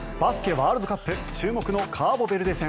ワールドカップ注目のカーボベルデ戦。